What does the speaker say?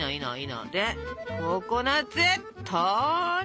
でココナツ投入！